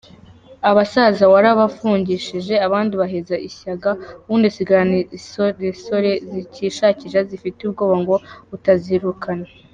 Abasaza warabafungishije abandi ubaheza ishyanga; ubundi usigarana insoresore zikishakisha, zifitiye ubwoba ngo utazirukana.